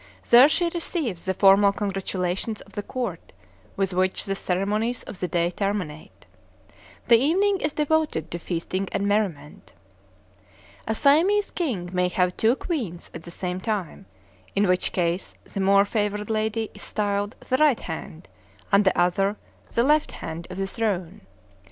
There she receives the formal congratulations of the court, with which the ceremonies of the day terminate. The evening is devoted to feasting and merriment. A Siamese king may have two queens at the same time; in which case the more favored lady is styled the "right hand," and the other the "left hand," of the throne.